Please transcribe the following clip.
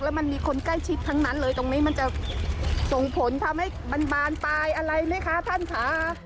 แล้วมันมีคนใกล้ชิดทั้งนั้นเลยตรงนี้มันจะส่งผลทำให้มันบานปลายอะไรไหมคะท่านค่ะ